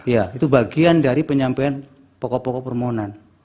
ya itu bagian dari penyampaian pokok pokok permohonan